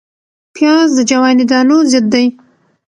پیاز د جواني دانو ضد دی